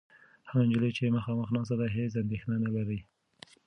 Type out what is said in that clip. هغه نجلۍ چې مخامخ ناسته ده، هېڅ اندېښنه نهلري.